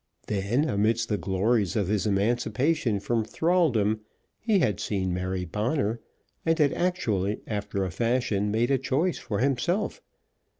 Then, amidst the glories of his emancipation from thraldom, he had seen Mary Bonner, and had actually, after a fashion, made a choice for himself.